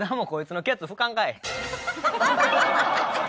ハハハハ！